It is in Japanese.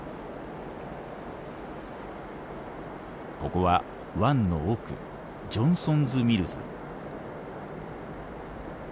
ここは湾の奥ジョンソンズミルズ。